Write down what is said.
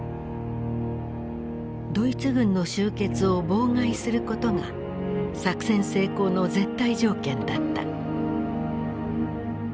ドイツ軍の集結を妨害することが作戦成功の絶対条件だった。